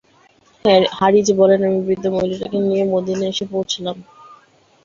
হারিছ বলেন, আমি বৃদ্ধা মহিলাটিকে নিয়ে মদীনায় এসে পৌঁছলাম।